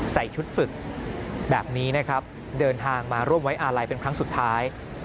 ใส่ชุดฝึกแบบนี้นะครับเดินทางมาร่วมไว้อาลัยเป็นครั้งสุดท้าย